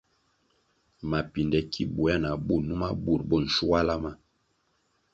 Mapinde ki buéah na bú numa bur bo nschuala ma.